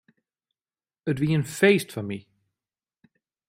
It wie in feest foar my.